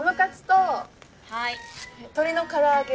鶏の唐揚げ。